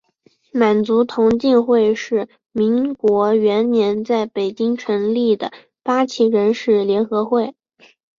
满族同进会是民国元年在北京成立的八旗人士联合会。